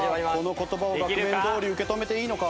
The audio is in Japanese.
この言葉を額面どおり受け止めていいのか？